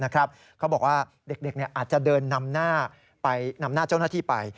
เขาบอกว่าเด็กอาจจะเดินนำหน้าเจ้าหน้าที่ไป